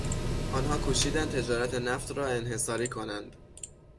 آنها کوشیدند تجارت نفت را انحصاری کنند.